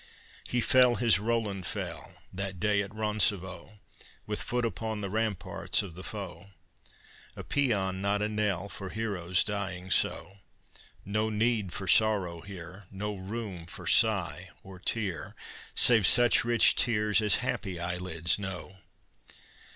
He fell as Roland fell That day at Roncevaux, With foot upon the ramparts of the foe! A pæan, not a knell, For heroes dying so! No need for sorrow here, No room for sigh or tear, Save such rich tears as happy eyelids know.